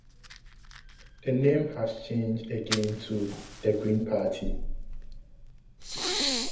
The name has changed again to The Green Party.